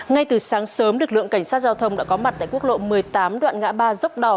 ngay từ sáng sớm lực lượng cảnh sát giao thông đã có mặt tại quốc lộ một mươi tám đoạn ngã ba dốc đỏ